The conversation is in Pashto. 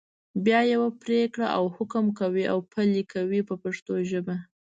بیا یوه پرېکړه او حکم کوي او پلي یې کوي په پښتو ژبه.